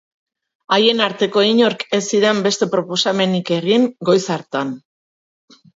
Haien arteko inork ez zidan beste proposamenik egin goiz hartan.